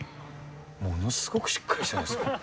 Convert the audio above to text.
ものすごくしっかりしてますね。